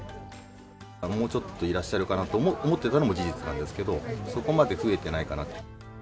もうちょっといらっしゃるかなと思ってたのも事実なんですけど、そこまで増えてないかな。